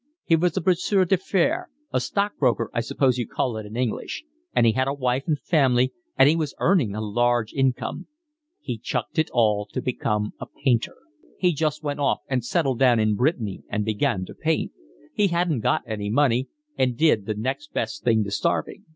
He was a brasseur d'affaires, a stockbroker I suppose you call it in English; and he had a wife and family, and he was earning a large income. He chucked it all to become a painter. He just went off and settled down in Brittany and began to paint. He hadn't got any money and did the next best thing to starving."